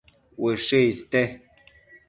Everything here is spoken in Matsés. Ushë iste